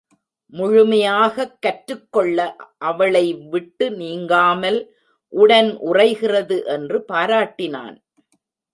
முழுமையாகக் கற்றுக்கொள்ள அவளை விட்டு நீங்காமல் உடன் உறைகிறது என்று பாராட்டினான்.